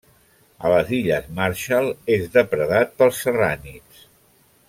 A les Illes Marshall és depredat pels serrànids.